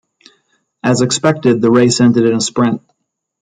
As expected the race ended in a sprint.